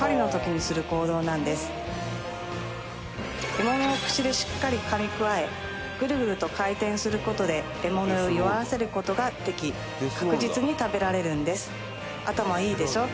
この獲物を口でしっかり噛みくわえグルグルと回転することで獲物を弱らせることができ確実に食べられるんです頭いいでしょ？